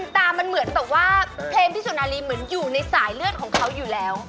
แต่ว่าเพลมที่สุนาลีเหมือนอยู่ในสายเลือกของเขาอยู่แล้ว